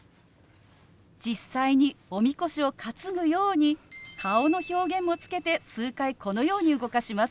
実際におみこしを担ぐように顔の表現もつけて数回このように動かします。